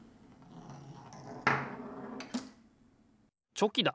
チョキだ！